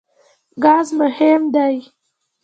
ګاز مهم دی.